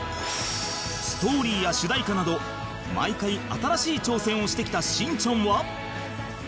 ストーリーや主題歌など毎回新しい挑戦をしてきた『しんちゃん』は